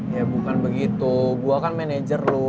ya bukan begitu gue kan manajer loh